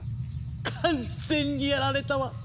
完全にやられたわ。